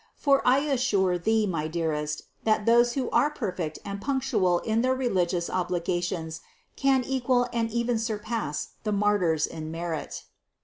For I assure thee, my dearest, that those who are perfect and punctual in their religious obligations can equal and even surpass the martyrs in merit.